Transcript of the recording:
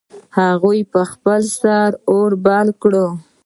هغې په خپل سر اور بل کړ